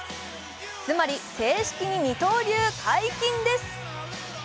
つまり、正式に二刀流解禁です。